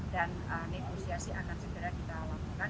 dan negosiasi akan segera kita lakukan